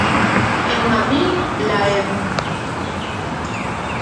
En Madrid la Ed.